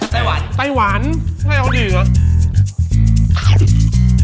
ไต้หวานไต้หวานไม่เอาดีนะ